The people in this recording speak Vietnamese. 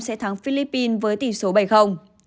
sẽ thắng philippines với tỷ số bảy